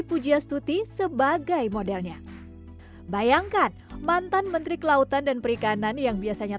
pujiastuti sebagai modelnya bayangkan mantan menteri kelautan dan perikanan yang biasanya